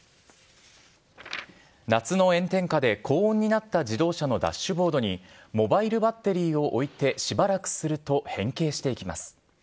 夏の炎天下で高温になった自動車のダッシュボードに、モバイルバッテリーを置いてしばらくすると変形していきます。